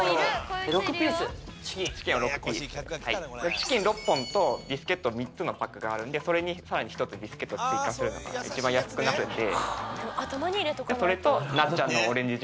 チキン６本とビスケット３つのパックがあるんでそれにさらに１つビスケット追加するのが一番安くなるんで。